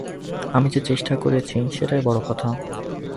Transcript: আমি যে চেষ্টা করেছি, সেইটাই বড় কথা।